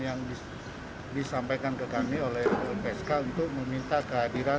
yang disampaikan ke kami oleh lpsk untuk meminta kehadiran